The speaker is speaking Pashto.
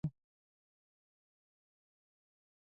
زردالو د افغانستان د ناحیو ترمنځ تفاوتونه رامنځ ته کوي.